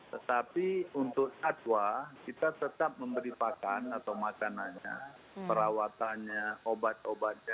tetapi untuk atwa kita tetap memberi pakan atau makanannya perawatannya obat obatnya